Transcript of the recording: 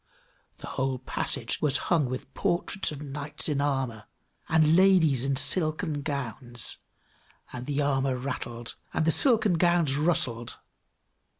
The whole passage was hung with portraits of knights in armor, and ladies in silken gowns; and the armor rattled, and the silken gowns rustled!